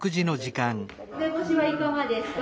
梅干しはいかがですか？